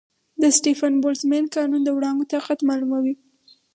د سټیفن-بولټزمن قانون د وړانګو طاقت معلوموي.